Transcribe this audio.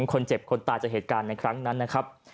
คนเจ็บคนตายจากเหตุการณ์ในครั้งนั้นนะครับ